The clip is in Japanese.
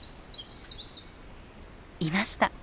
いました！